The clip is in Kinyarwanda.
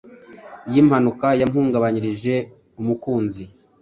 y’impanuka yampungabanyirije umukunzi.